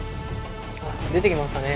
出てきましたね。